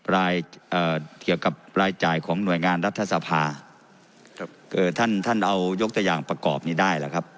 รายเกี่ยวกับรายจ่ายของหน่วยงานรัฐสภาครับเอ่อท่านท่านเอายกตัวอย่างประกอบนี้ได้หรือครับ